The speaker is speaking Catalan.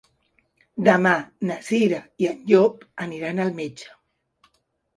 Demà na Cira i en Llop aniran al metge.